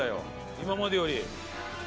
今までより。